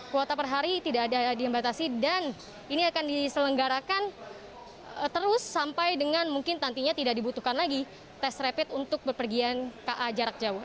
kuota per hari tidak ada dibatasi dan ini akan diselenggarakan terus sampai dengan mungkin nantinya tidak dibutuhkan lagi tes rapid untuk berpergian ka jarak jauh